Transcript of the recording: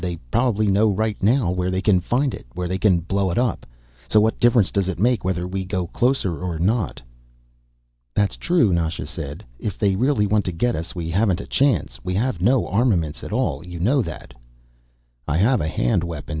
"They probably know right now where they can find it, where they can blow it up. So what difference does it make whether we go closer or not?" "That's true," Nasha said. "If they really want to get us we haven't a chance. We have no armaments at all; you know that." "I have a hand weapon."